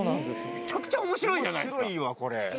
めちゃくちゃ面白いじゃないですか